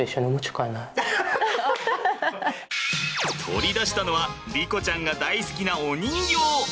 取り出したのは莉子ちゃんが大好きなお人形。